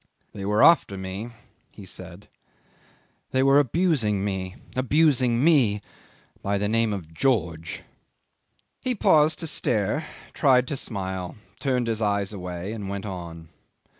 "They were after me," he said. "They were abusing me abusing me ... by the name of George." 'He paused to stare, tried to smile, turned his eyes away and went on.